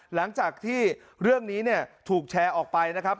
หลังจากที่เรื่องนี้เนี่ยถูกแชร์ออกไปนะครับ